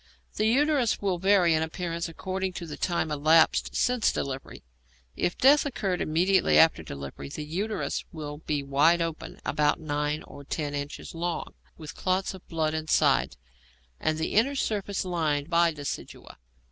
The uterus will vary in appearance according to the time elapsed since delivery. If death occurred immediately after delivery, the uterus will be wide open, about 9 or 10 inches long, with clots of blood inside, and the inner surface lined by decidua.